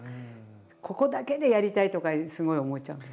ここだけでやりたいとかすごい思っちゃうのね。